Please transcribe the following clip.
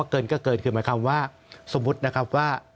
เกินก็เกินคือหมายความว่าสมมุตินะครับว่า